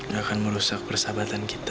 gak akan merusak persahabatan kita